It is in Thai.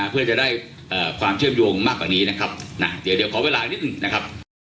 เพื่อจะได้ความเชื่อมโยงมากกว่านี้เดี๋ยวขอเวลานิดหนึ่ง